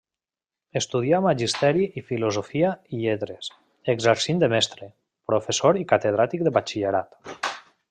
Estudià magisteri i filosofia i lletres, exercint de mestre, professor i catedràtic de batxillerat.